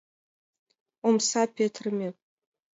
Омса петырыме.